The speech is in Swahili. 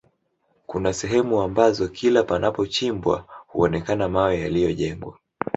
Kuna sehemu ambazo kila panapochimbwa huonekana mawe yaliyojengwa